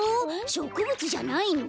しょくぶつじゃないの？